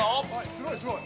すごいすごい。